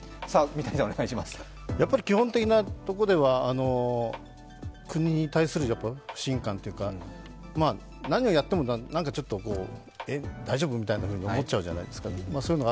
基本的なことでは国に対する不信感というか、何をやってもえっ、大丈夫みたいに思っちゃうじゃないですか。